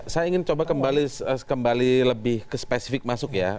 saya ingin coba kembali lebih ke spesifik masuk ya